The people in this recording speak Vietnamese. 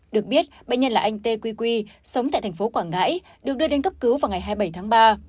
được biết bệnh nhân là anh t quy quy sống tại thành phố quảng ngãi được đưa đến cấp cứu vào ngày hai mươi bảy tháng ba